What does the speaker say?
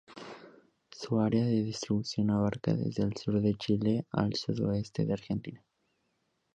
Su área de distribución abarca desde el sur de Chile al sudoeste de Argentina.